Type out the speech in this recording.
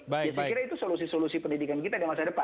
jadi saya kira itu solusi solusi pendidikan kita di masa depan